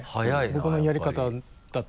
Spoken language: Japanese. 僕のやり方だと。